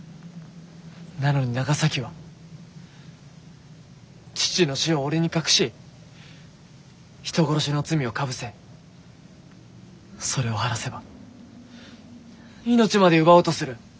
なのに長崎は父の死を俺に隠し人殺しの罪をかぶせそれを晴らせば命まで奪おうとする。